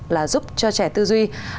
là giúp cho trẻ tư duy